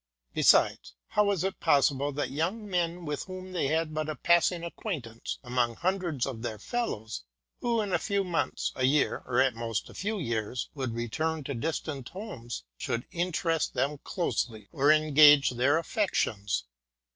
Besides, how was it possible that young men, with whom they had but a passing acquaintance among hundreds of their fellows, who in a few months, a year, or at most a few years, would return to distant homes, should interest them closely, or engage their affections